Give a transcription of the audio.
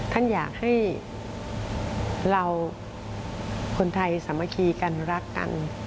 ท่านอยากให้เราคนไทยสามัคคีกันรักกัน